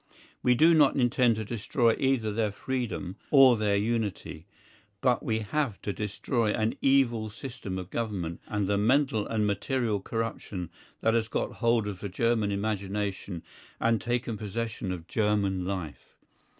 We do not intend to destroy either their freedom or their unity. But we have to destroy an evil system of government and the mental and material corruption that has got hold of the German imagination and taken possession of German life.